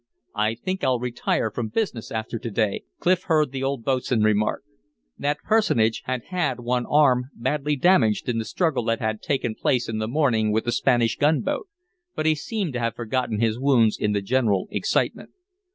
"I think I'll retire from business after to day," Clif heard the old boatswain remark. That personage had had one arm badly damaged in the struggle that had taken place in the morning with the Spanish gunboat; but he seemed to have forgotten his wounds in the general excitement.